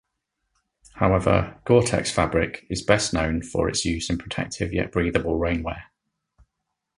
However, Gore-Tex fabric is best known for its use in protective, yet breathable, rainwear.